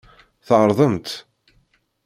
Tɛerḍemt.